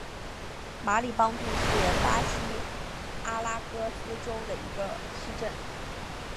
马里邦杜是巴西阿拉戈斯州的一个市镇。